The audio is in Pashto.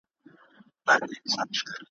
په نقشو د شیطانت کي بریالی سو ,